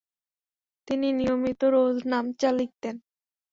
তিনি নিয়মিত রোজনামচা লিখতেন।